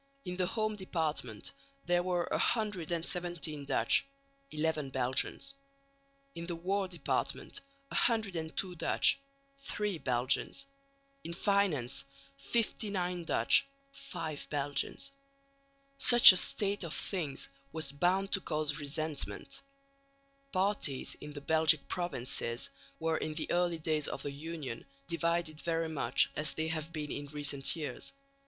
In the home department there were 117 Dutch, 11 Belgians; in the war department 102 Dutch, 3 Belgians; in finance 59 Dutch, 5 Belgians. Such a state of things was bound to cause resentment. Parties in the Belgic provinces were in the early days of the Union divided very much as they have been in recent years.